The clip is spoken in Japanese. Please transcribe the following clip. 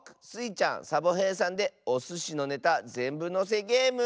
ちゃんサボへいさんでおすしのネタぜんぶのせゲーム。